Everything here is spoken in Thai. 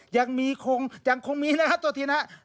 ยังคงยังคงมีนะครับตัวทีนะครับ